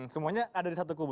semuanya ada di satu kubu